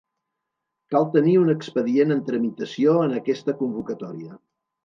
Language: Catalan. Cal tenir un expedient en tramitació en aquesta convocatòria.